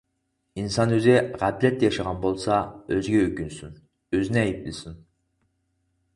-ئىنسان ئۆزى غەپلەتتە ياشىغان بولسا، ئۆزىگە ئۆكۈنسۇن، ئۆزىنى ئەيىبلىسۇن.